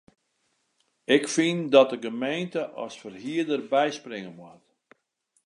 Ik fyn dat de gemeente as ferhierder byspringe moat.